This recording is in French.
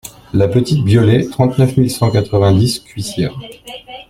La Petite Biolée, trente-neuf mille cent quatre-vingt-dix Cuisia